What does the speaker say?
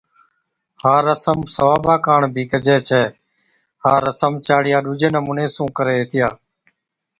ھا رسم ثوابا ڪاڻ بِي ڪجَي ڇَي۔ ھا رسم چاڙِيا ڏُوجي نمُوني سُون ڪرھي ھِتيا